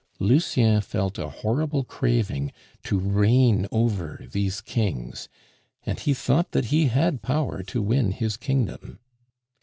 Lucien felt a horrible craving to reign over these kings, and he thought that he had power to win his kingdom.